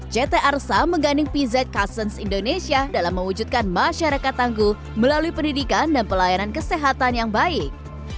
ct arsa mengganding pz kassence indonesia dalam mewujudkan masyarakat tangguh melalui pendidikan dan pelayanan kesehatan yang baik